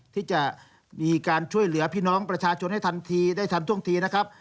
ที่จะมีการช่วยเหลือพี่น้องประชาชนให้ทันทีได้ทันท่วงทีนะครับ